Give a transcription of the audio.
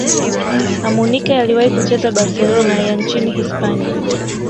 amunike aliwahi kucheza barcelona ya nchini hispania